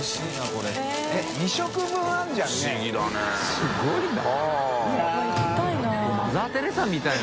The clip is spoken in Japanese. すごいな。